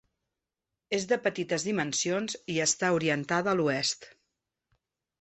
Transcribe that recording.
És de petites dimensions i està orientada a l'oest.